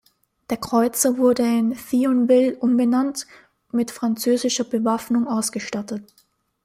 Der Kreuzer wurde in "Thionville" umbenannt und mit französischer Bewaffnung ausgestattet.